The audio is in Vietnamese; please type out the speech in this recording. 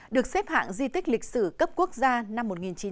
được xếp hạng di tích lịch sử cấp quốc gia năm một nghìn chín trăm bảy mươi